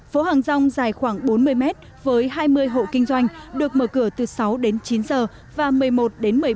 phố hàng rong dài khoảng bốn mươi mét với hai mươi hộ kinh doanh được mở cửa từ sáu đến chín giờ và một mươi một đến một mươi h